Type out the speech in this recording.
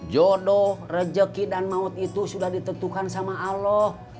jodoh rejeki dan maut itu sudah ditentukan sama allah